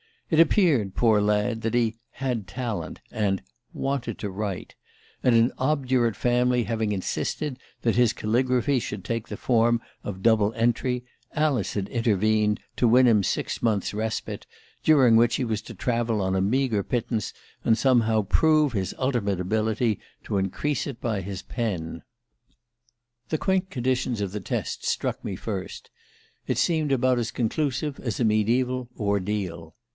It appeared, poor lad, that he 'had talent,' and 'wanted to write'; and, an obdurate family having insisted that his calligraphy should take the form of double entry, Alice had intervened to win him six months' respite, during which he was to travel on a meagre pittance, and somehow prove his ultimate ability to increase it by his pen. The quaint conditions of the test struck me first: it seemed about as conclusive as a mediaeval 'ordeal.